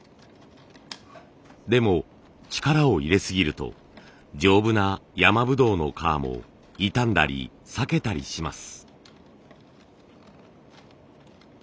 でも力を入れすぎると丈夫な山ぶどうの皮も傷んだり裂けたりします。